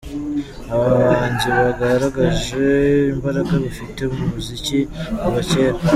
Aba bahanzi bagaragaje imbaraga bafite mu muziki kuva cyera.